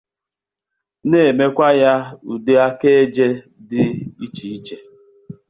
na-emekwa ya ụdị àkàje dị icheiche.